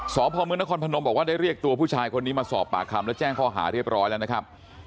สพมนครพนมบอกว่าได้เรียกตัวผู้ชายคนนี้มาสอบปากคำและแจ้งข้อหาเรียบร้อยแล้วนะครับ